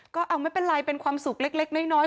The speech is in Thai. ก็เอาไม่เป็นไรเป็นความสุขเล็กน้อย